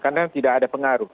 karena tidak ada pengaruh